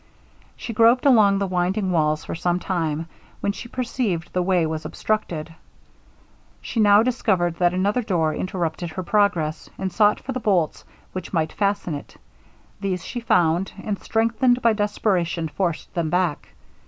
She groped along the winding walls for some time, when she perceived the way was obstructed. She now discovered that another door interrupted her progress, and sought for the bolts which might fasten it. These she found; and strengthened by desparation forced them back.